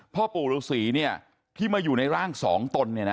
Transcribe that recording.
พ่อปู่ลูกศรีเนี่ยที่มาอยู่ในร่างสองตนเนี่ยนะ